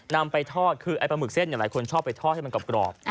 นำไปทอดคือไอ้ปลาหมึกเส้นหลายคนชอบไปทอดให้มันกรอบ